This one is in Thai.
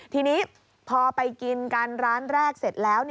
ทีนี้พอไปกินกันร้านแรกเสร็จแล้ว